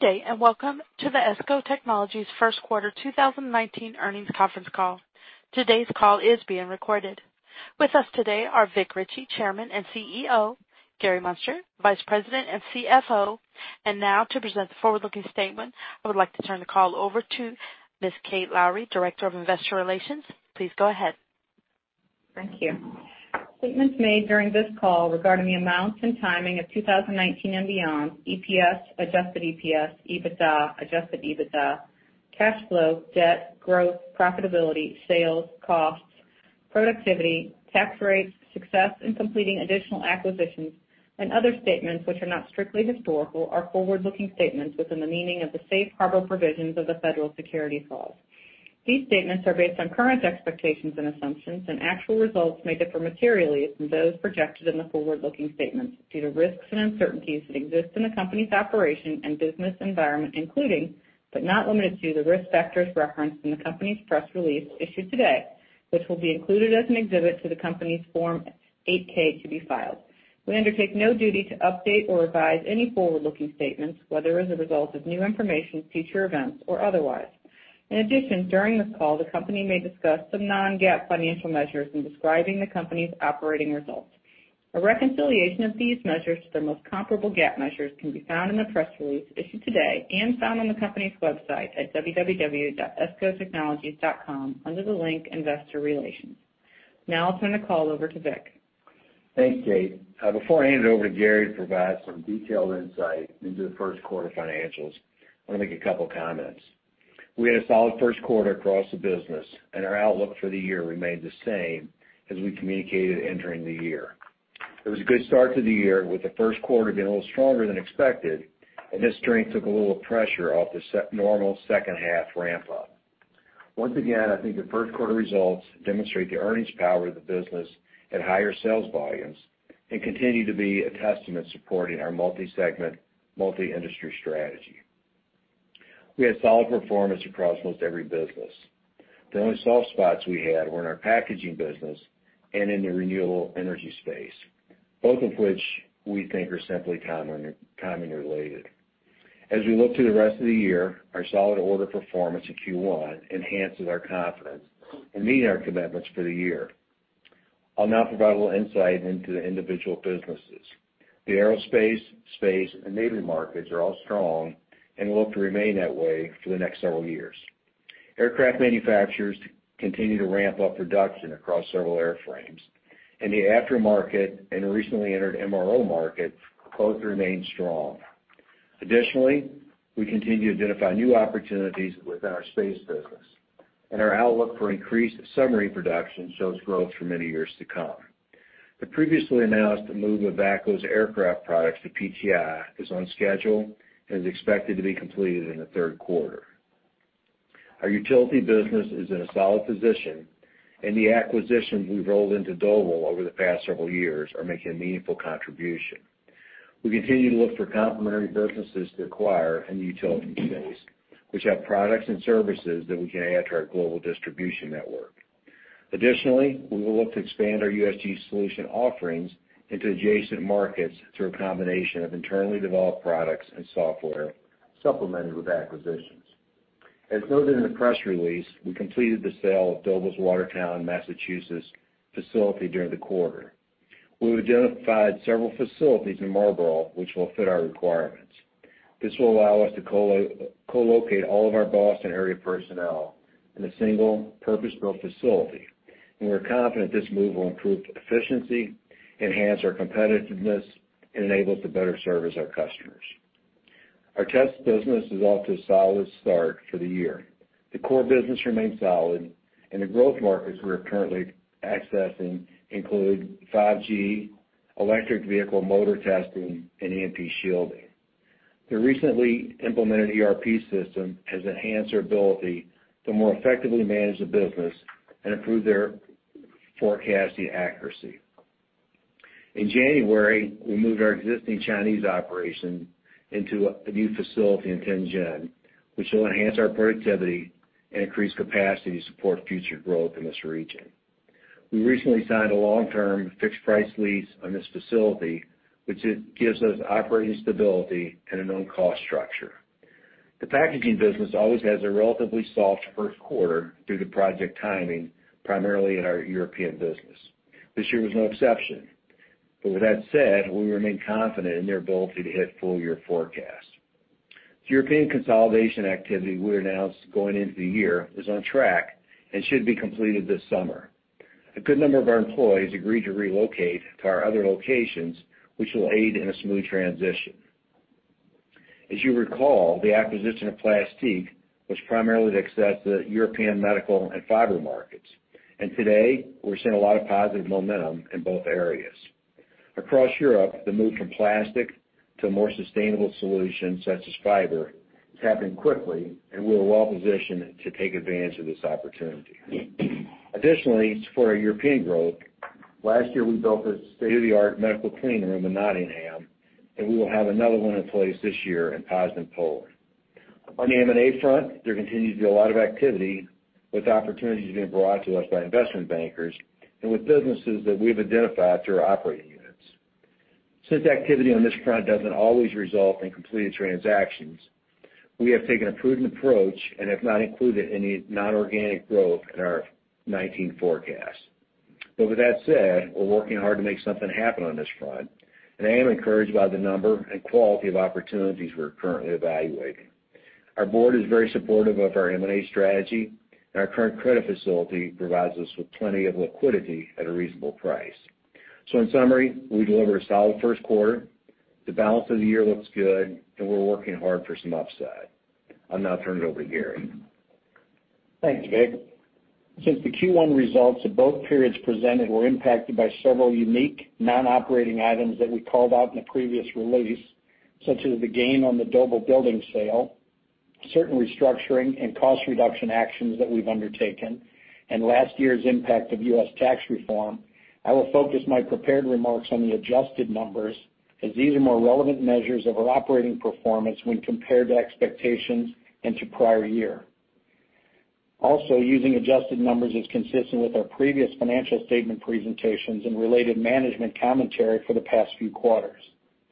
Good day and welcome to the ESCO Technologies First Quarter 2019 Earnings Conference Call. Today's call is being recorded. With us today are Vic Richey, Chairman and CEO, Gary Muenster, Vice President and CFO. Now to present the forward-looking statement, I would like to turn the call over to Ms. Kate Lowrey, Director of Investor Relations. Please go ahead. Thank you. Statements made during this call regarding the amounts and timing of 2019 and beyond EPS, adjusted EPS, EBITDA, adjusted EBITDA, cash flow, debt, growth, profitability, sales, costs, productivity, tax rates, success in completing additional acquisitions, and other statements which are not strictly historical are forward-looking statements within the meaning of the safe harbor provisions of the Federal Securities Laws. These statements are based on current expectations and assumptions, and actual results may differ materially from those projected in the forward-looking statements due to risks and uncertainties that exist in the company's operation and business environment including, but not limited to, the risk factors referenced in the company's press release issued today, which will be included as an exhibit to the company's Form 8-K to be filed. We undertake no duty to update or revise any forward-looking statements, whether as a result of new information, future events, or otherwise. In addition, during this call the company may discuss some non-GAAP financial measures in describing the company's operating results. A reconciliation of these measures to their most comparable GAAP measures can be found in the press release issued today and found on the company's website at www.escotechnologies.com under the link Investor Relations. Now I'll turn the call over to Vic. Thanks, Kate. Before I hand it over to Gary to provide some detailed insight into the first quarter financials, I want to make a couple of comments. We had a solid first quarter across the business, and our outlook for the year remained the same as we communicated entering the year. It was a good start to the year with the first quarter being a little stronger than expected, and this strength took a little pressure off the normal second-half ramp-up. Once again, I think the first quarter results demonstrate the earnings power of the business at higher sales volumes and continue to be a testament supporting our multi-segment, multi-industry strategy. We had solid performance across almost every business. The only soft spots we had were in our packaging business and in the renewable energy space, both of which we think are simply timing-related. As we look to the rest of the year, our solid order performance in Q1 enhances our confidence in meeting our commitments for the year. I'll now provide a little insight into the individual businesses. The aerospace, space, and navy markets are all strong and will look to remain that way for the next several years. Aircraft manufacturers continue to ramp up production across several airframes, and the aftermarket and recently entered MRO market both remain strong. Additionally, we continue to identify new opportunities within our space business, and our outlook for increased submarine production shows growth for many years to come. The previously announced move of VACCO's aircraft products to PTI is on schedule and is expected to be completed in the third quarter. Our utility business is in a solid position, and the acquisitions we've rolled into Doble over the past several years are making a meaningful contribution. We continue to look for complementary businesses to acquire in the utility space, which have products and services that we can add to our global distribution network. Additionally, we will look to expand our USG solution offerings into adjacent markets through a combination of internally developed products and software supplemented with acquisitions. As noted in the press release, we completed the sale of Doble's Watertown, Massachusetts, facility during the quarter. We've identified several facilities in Marlborough, which will fit our requirements. This will allow us to co-locate all of our Boston area personnel in a single purpose-built facility, and we're confident this move will improve efficiency, enhance our competitiveness, and enable us to better service our customers. Our test business is off to a solid start for the year. The core business remains solid, and the growth markets we are currently accessing include 5G, electric vehicle motor testing, and EMP shielding. The recently implemented ERP system has enhanced our ability to more effectively manage the business and improve their forecasting accuracy. In January, we moved our existing Chinese operation into a new facility in Tianjin, which will enhance our productivity and increase capacity to support future growth in this region. We recently signed a long-term fixed-price lease on this facility, which gives us operating stability and a known cost structure. The packaging business always has a relatively soft first quarter due to project timing, primarily in our European business. This year was no exception. But with that said, we remain confident in their ability to hit full-year forecasts. The European consolidation activity we announced going into the year is on track and should be completed this summer. A good number of our employees agreed to relocate to our other locations, which will aid in a smooth transition. As you recall, the acquisition of Plastique was primarily to access the European medical and fiber markets, and today we're seeing a lot of positive momentum in both areas. Across Europe, the move from plastic to a more sustainable solution such as fiber is happening quickly, and we are well positioned to take advantage of this opportunity. Additionally, for our European growth, last year we built a state-of-the-art medical cleanroom in Nottingham, and we will have another one in place this year in Poznań, Poland. On the M&A front, there continues to be a lot of activity with opportunities being brought to us by investment bankers and with businesses that we've identified through our operating units. Since activity on this front doesn't always result in completed transactions, we have taken a prudent approach and have not included any non-organic growth in our 2019 forecast. But with that said, we're working hard to make something happen on this front, and I am encouraged by the number and quality of opportunities we're currently evaluating. Our board is very supportive of our M&A strategy, and our current credit facility provides us with plenty of liquidity at a reasonable price. In summary, we delivered a solid first quarter. The balance of the year looks good, and we're working hard for some upside. I'll now turn it over to Gary. Thanks, Vic. Since the Q1 results of both periods presented were impacted by several unique non-operating items that we called out in the previous release, such as the gain on the Doble building sale, certain restructuring and cost reduction actions that we've undertaken, and last year's impact of U.S. tax reform, I will focus my prepared remarks on the adjusted numbers as these are more relevant measures of our operating performance when compared to expectations into prior year. Also, using adjusted numbers is consistent with our previous financial statement presentations and related management commentary for the past few quarters.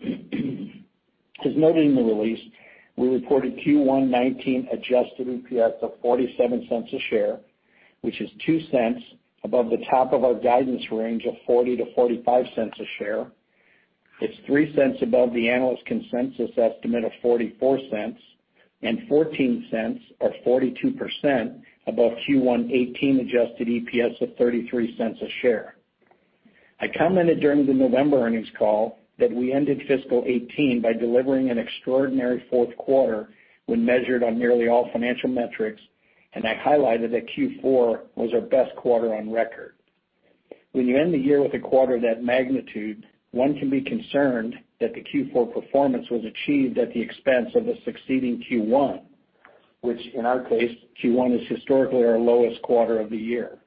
As noted in the release, we reported Q1 2019 adjusted EPS of $0.47 a share, which is $0.02 above the top of our guidance range of $0.40-$0.45 a share. It's $0.03 above the analyst consensus estimate of $0.44, and $0.14, or 42%, above Q1 2018 adjusted EPS of $0.33 a share. I commented during the November earnings call that we ended fiscal 2018 by delivering an extraordinary fourth quarter when measured on nearly all financial metrics, and I highlighted that Q4 was our best quarter on record. When you end the year with a quarter of that magnitude, one can be concerned that the Q4 performance was achieved at the expense of the succeeding Q1, which in our case, Q1 is historically our lowest quarter of the year.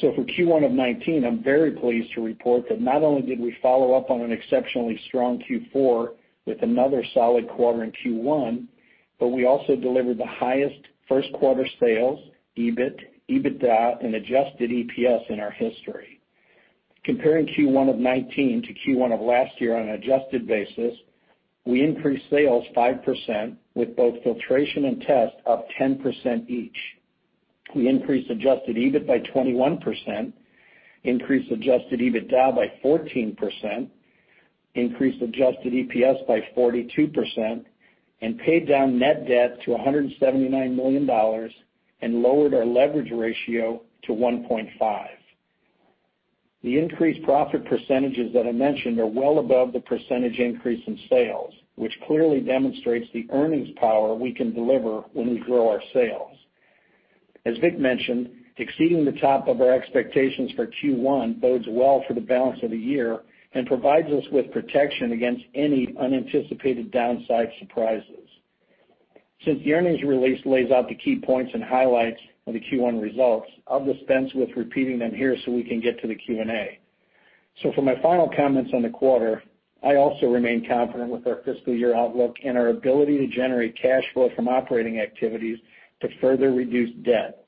So for Q1 of 2019, I'm very pleased to report that not only did we follow up on an exceptionally strong Q4 with another solid quarter in Q1, but we also delivered the highest first-quarter sales, EBIT, EBITDA, and adjusted EPS in our history. Comparing Q1 of 2019 to Q1 of last year on an adjusted basis, we increased sales five percent with both filtration and test up 10% each. We increased adjusted EBIT by 21%, increased adjusted EBITDA by 14%, increased adjusted EPS by 42%, and paid down net debt to $179 million and lowered our leverage ratio to 1.5. The increased profit percentages that I mentioned are well above the percentage increase in sales, which clearly demonstrates the earnings power we can deliver when we grow our sales. As Vic mentioned, exceeding the top of our expectations for Q1 bodes well for the balance of the year and provides us with protection against any unanticipated downside surprises. Since the earnings release lays out the key points and highlights of the Q1 results, I'll dispense with repeating them here so we can get to the Q&A. For my final comments on the quarter, I also remain confident with our fiscal year outlook and our ability to generate cash flow from operating activities to further reduce debt.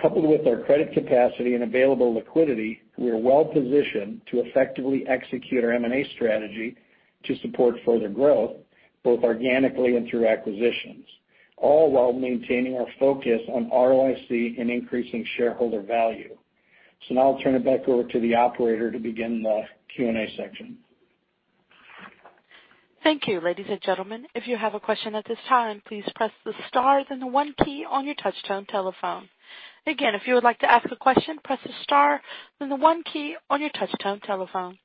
Coupled with our credit capacity and available liquidity, we are well positioned to effectively execute our M&A strategy to support further growth, both organically and through acquisitions, all while maintaining our focus on ROIC and increasing shareholder value. Now I'll turn it back over to the operator to begin the Q&A section. Thank you, ladies and gentlemen. If you have a question at this time, please press the star then the one key on your touch-tone telephone. Again, if you would like to ask a question, press the star then the one key on your touch-tone telephone.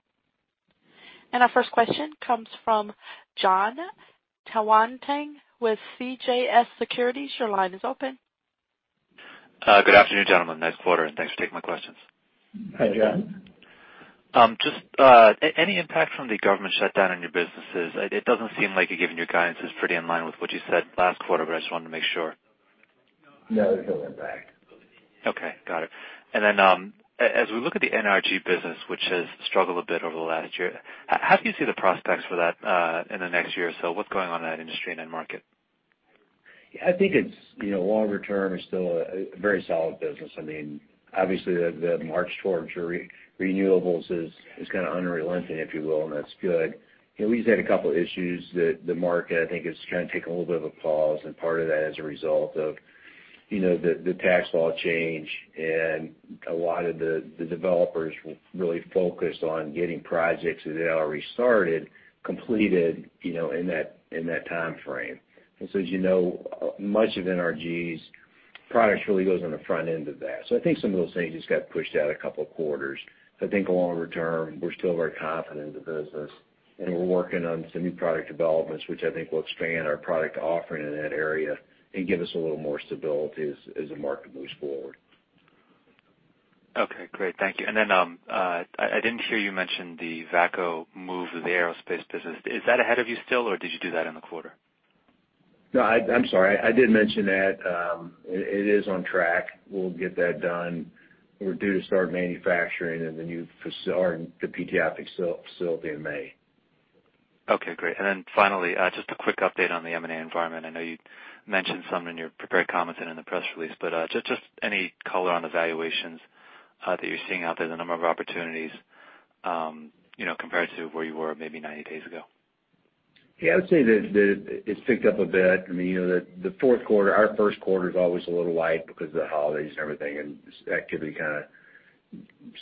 And our first question comes from Jon Tanwanteng with CJS Securities. Your line is open. Good afternoon, gentlemen. Nice quarter, and thanks for taking my questions. Hi, Jon. Just any impact from the government shutdown on your businesses? It doesn't seem like it, given your guidance, is pretty in line with what you said last quarter, but I just wanted to make sure. No, there's no impact. Okay. Got it. And then as we look at the NRG business, which has struggled a bit over the last year, how do you see the prospects for that in the next year or so? What's going on in that industry and that market? Yeah, I think long-term it's still a very solid business. I mean, obviously, the march towards renewables is kind of unrelenting, if you will, and that's good. We just had a couple of issues that the market, I think, is kind of taking a little bit of a pause, and part of that as a result of the tax law change, and a lot of the developers really focused on getting projects that had already started completed in that time frame. And so as you know, much of NRG's products really goes on the front end of that. So I think some of those things just got pushed out a couple of quarters. I think long-term, we're still very confident in the business, and we're working on some new product developments, which I think will expand our product offering in that area and give us a little more stability as the market moves forward. Okay. Great. Thank you. And then I didn't hear you mention the VACCO move of the aerospace business. Is that ahead of you still, or did you do that in the quarter? No, I'm sorry. I did mention that. It is on track. We'll get that done. We're due to start manufacturing the PTI facility in May. Okay. Great. And then finally, just a quick update on the M&A environment. I know you mentioned some in your prepared comments and in the press release, but just any color on the valuations that you're seeing out there, the number of opportunities compared to where you were maybe 90 days ago? Yeah, I would say that it's picked up a bit. I mean, the fourth quarter, our first quarter is always a little light because of the holidays and everything, and activity kind of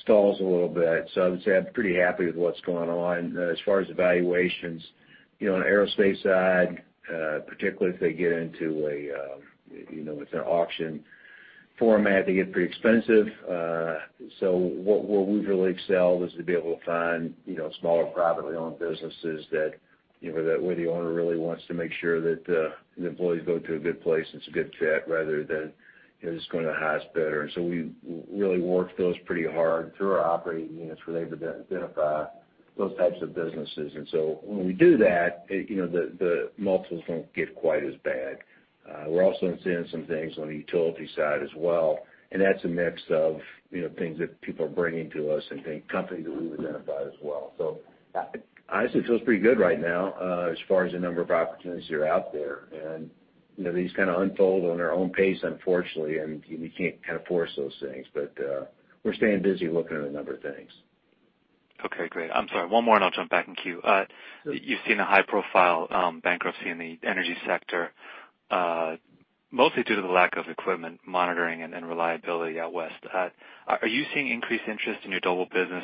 stalls a little bit. So I would say I'm pretty happy with what's going on. As far as the valuations, on the aerospace side, particularly if they get into, it's an auction format. They get pretty expensive. So where we've really excelled is to be able to find smaller privately owned businesses where the owner really wants to make sure that the employees go to a good place and it's a good fit rather than just going to the highest bidder. And so we really worked those pretty hard through our operating units where they've identified those types of businesses. And so when we do that, the multiples don't get quite as bad. We're also seeing some things on the utility side as well, and that's a mix of things that people are bringing to us and companies that we've identified as well. So honestly, it feels pretty good right now as far as the number of opportunities that are out there. And these kind of unfold on their own pace, unfortunately, and you can't kind of force those things. But we're staying busy looking at a number of things. Okay. Great. I'm sorry. One more, and I'll jump back in queue. You've seen a high-profile bankruptcy in the energy sector, mostly due to the lack of equipment monitoring and reliability out west. Are you seeing increased interest in your Doble business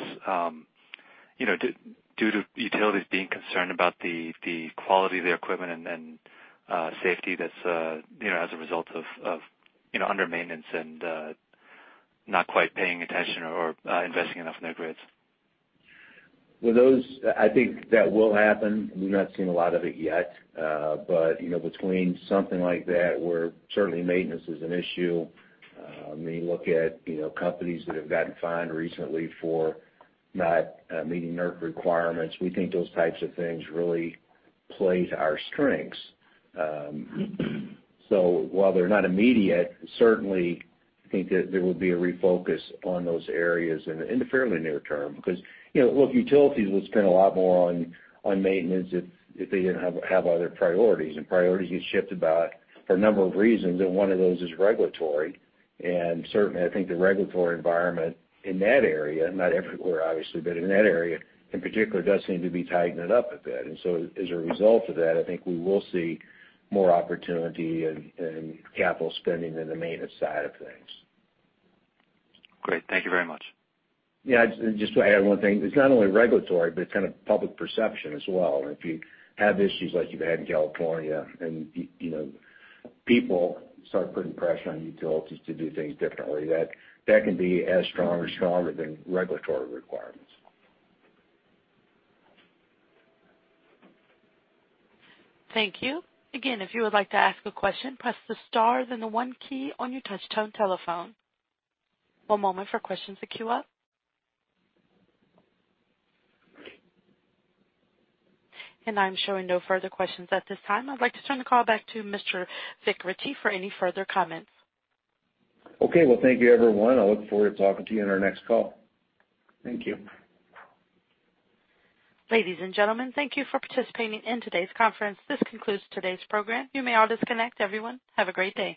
due to utilities being concerned about the quality of their equipment and safety that's as a result of under-maintenance and not quite paying attention or investing enough in their grids? I think that will happen. We've not seen a lot of it yet. But between something like that where certainly maintenance is an issue, I mean, look at companies that have gotten fined recently for not meeting NERC requirements. We think those types of things really play to our strengths. So while they're not immediate, certainly, I think that there will be a refocus on those areas in the fairly near term because, look, utilities would spend a lot more on maintenance if they didn't have other priorities. And priorities get shifted by a number of reasons, and one of those is regulatory. And certainly, I think the regulatory environment in that area not everywhere, obviously, but in that area, in particular, does seem to be tightening it up a bit. As a result of that, I think we will see more opportunity and capital spending in the maintenance side of things. Great. Thank you very much. Yeah, just to add one thing. It's not only regulatory, but it's kind of public perception as well. If you have issues like you've had in California and people start putting pressure on utilities to do things differently, that can be as strong or stronger than regulatory requirements. Thank you. Again, if you would like to ask a question, press the star then the one key on your touch-tone telephone. One moment for questions to queue up. I'm showing no further questions at this time. I'd like to turn the call back to Mr. Vic Richey for any further comments. Okay. Well, thank you, everyone. I look forward to talking to you on our next call. Thank you. Ladies and gentlemen, thank you for participating in today's conference. This concludes today's program. You may all disconnect, everyone. Have a great day.